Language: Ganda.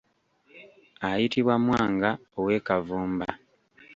Ayitibwa Mwanga ow'e Kavumba.